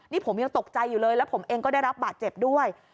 นี่ผมยังตกใจอยู่เลยแล้วผมเองก็ได้รับบาดเจ็บด้วย